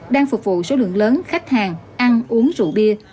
đang phục vụ số lượng lớn khách hàng ăn uống rượu bia